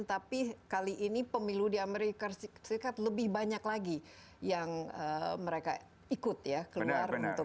tapi kali ini pemilu di amerika serikat lebih banyak lagi yang mereka ikut ya keluar untuk